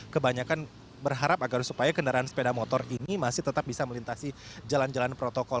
kebanyakan berharap agar supaya kendaraan sepeda motor ini masih tetap bisa melintasi jalan jalan protokol